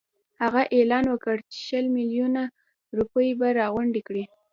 هغه اعلان وکړ چې شل میلیونه روپۍ به راغونډي کړي.